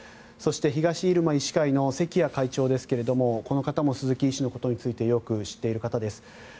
そして、東入間医師会の関谷会長ですがこの方も鈴木医師についてよく知っている方です。